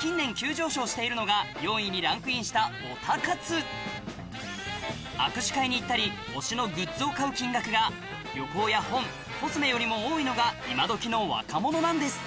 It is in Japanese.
近年急上昇しているのが４位にランクインしたヲタ活握手会に行ったり推しのグッズを買う金額が旅行や本コスメよりも多いのが今どきの若者なんです